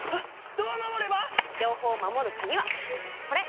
どう守れば⁉情報を守る鍵はこれ！